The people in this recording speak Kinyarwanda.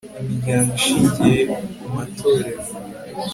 imiryango ishingiye ku matorero